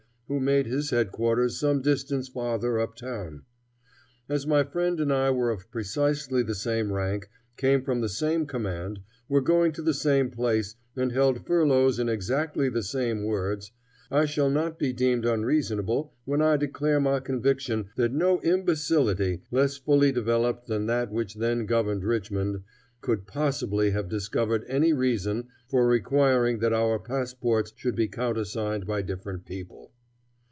who made his head quarters some distance farther up town. As my friend and I were of precisely the same rank, came from the same command, were going to the same place, and held furloughs in exactly the same words, I shall not be deemed unreasonable when I declare my conviction that no imbecility, less fully developed than that which then governed Richmond, could possibly have discovered any reason for requiring that our passports should be countersigned by different people.